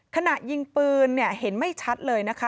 ขณะยิงปืนเนี่ยเห็นไม่ชัดเลยนะคะ